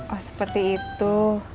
oh seperti itu